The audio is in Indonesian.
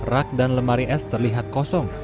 rak dan lemari es terlihat kosong